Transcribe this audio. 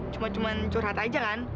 cuma cuma curhat aja kan